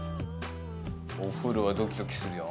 「お風呂はドキドキするよ」